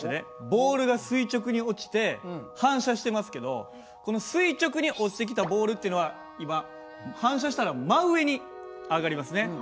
ボールが垂直に落ちて反射してますけどこの垂直に落ちてきたボールっていうのは今反射したら真上に上がりますね。